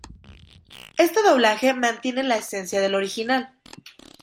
Este doblaje mantiene la esencia del original.